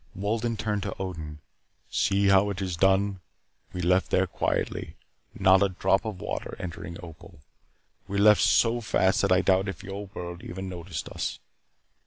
Wolden turned to Odin. "See how it is done. We left there quietly. Not a drop of water entered Opal. We left so fast that I doubt if your world even noticed us.